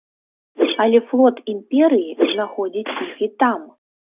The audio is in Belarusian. Але флот імперыі знаходзіць іх і там.